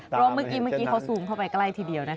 เพราะเมื่อกี้เมื่อกี้เขาซูมเข้าไปใกล้ทีเดียวนะคะ